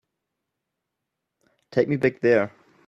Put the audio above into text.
Take me back there.